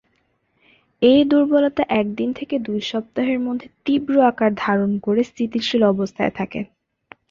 এই দূর্বলতা একদিন থেকে দুই সপ্তাহের মধ্যে তীব্র আকার ধারণ করে স্থিতিশীল অবস্থায় থাকে।